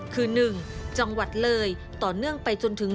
คือ๑จังหวัดเลยต่อเนื่องไปจนถึง